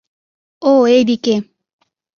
ও এই দিকে।